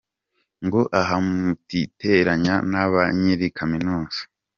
Ngo aha mutiteranya na ba nyiri Kaminuza!